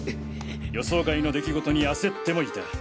予想外の出来事に焦ってもいた。